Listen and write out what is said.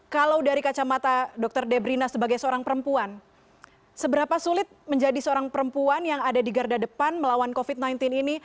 kalau dari kacamata dr debrina sebagai seorang perempuan seberapa sulit menjadi seorang perempuan yang ada di garda depan melawan covid sembilan belas ini